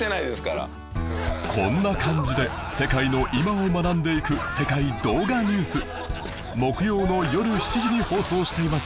こんな感じで世界の今を学んでいく『世界動画ニュース』木曜のよる７時に放送しています